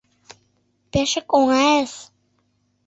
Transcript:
«Пешак оҥайыс.